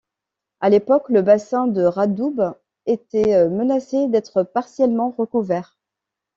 À l'époque le bassin de radoub était menacé d'être partiellement recouvert.